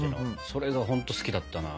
それがほんと好きだったな。